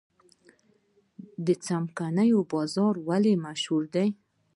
څمکنیو بازار ولې مشهور دی؟